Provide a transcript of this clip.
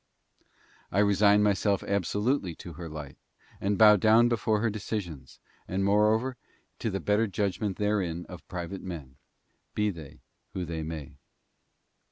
I resign myself absolutely to her light, and bow down before her decisions, and moreover to the better judgment herein of private men, be they who they may.